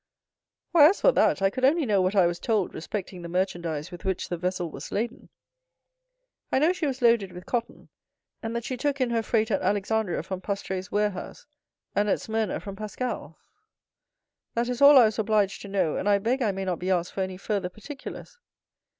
"Why, as for that, I could only know what I was told respecting the merchandise with which the vessel was laden. I know she was loaded with cotton, and that she took in her freight at Alexandria from Pastret's warehouse, and at Smyrna from Pascal's; that is all I was obliged to know, and I beg I may not be asked for any further particulars."